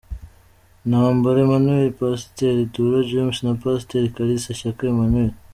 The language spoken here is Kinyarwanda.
Ntambara Emmanuel, Pasiteri Dura James na Pasiteri Kalisa Shyaka Emmanuel.